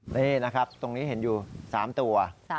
นี่นะครับตรงนี้เห็นอยู่๓ตัว